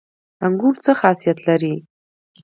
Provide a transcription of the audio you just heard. انګور څه خاصیت لري؟